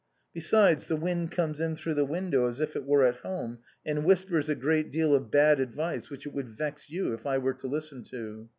Besides, the wind comes in through the window as if it were at home, and whispers a great deal of bad advice which it would vex you if I were to listen to.